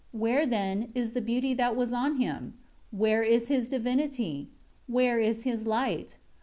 Where, then, is the beauty that was on him? Where is his divinity? Where is his light?